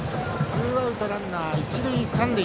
ツーアウトランナー、一塁三塁。